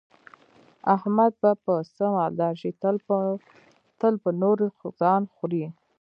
احمد به په څه مالدار شي، تل په نورو ځان خوري.